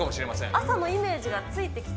朝のイメージがついてきた？